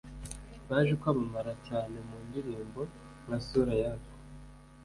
Baje kwamamara cyane mu ndirimbo nka Sura yako